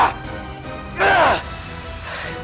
kurang ajar wangsa sora